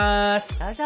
どうぞ！